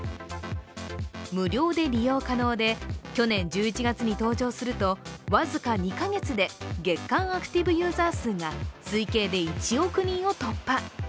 無料で利用可能で、去年１１月に登場すると、僅か２か月で、月間アクティブユーザー数が推計で１億人を突破。